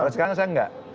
sekarang saya enggak